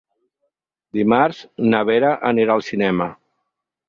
Dimarts na Vera anirà al cinema.